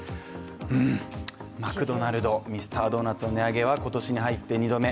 うーん、マクドナルド、ミスタードーナツの値上げは今年に入って２度目。